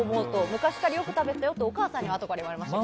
昔からよく食べてたよってお母さんにあとから言われました。